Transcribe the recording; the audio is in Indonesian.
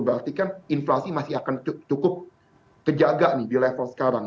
berarti kan inflasi masih akan cukup kejaga nih di level sekarang